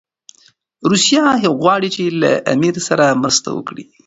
روسیه غواړي چي له امیر سره مرسته وکړي.